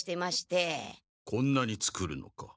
こんなに作るのか。